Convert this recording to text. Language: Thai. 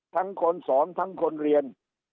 คนสอนทั้งคนเรียน